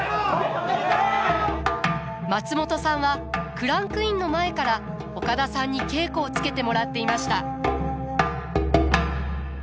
松本さんはクランクインの前から岡田さんに稽古をつけてもらっていました。